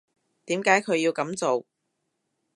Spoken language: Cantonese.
點解佢要噉做？